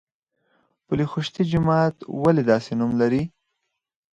پل خشتي جومات ولې داسې نوم لري؟